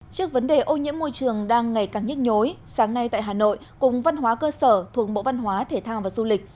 trước vấn đề ô nhiễm môi trường đang ngày càng nhức nhối sáng nay tại hà nội cùng văn hóa cơ sở thuộc bộ văn hóa thể thao và du lịch